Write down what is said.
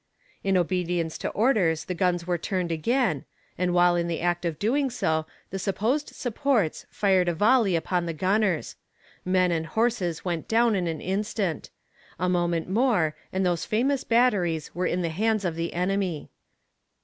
In obedience to orders the guns were turned again, and while in the act of doing so, the supposed supports fired a volley upon the gunners. Men and horses went down in an instant. A moment more and those famous batteries were in the hands of the enemy.